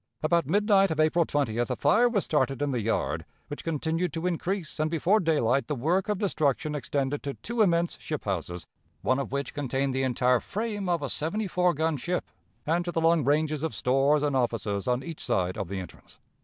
About midnight of April 20th, a fire was started in the yard, which continued to increase, and before daylight the work of destruction extended to two immense ship houses, one of which contained the entire frame of a seventy four gun ship, and to the long ranges of stores and offices on each side of the entrance.